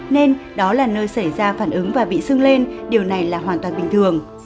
nên đó là nơi xảy ra phản ứng và bị sưng lên điều này là hoàn toàn bình thường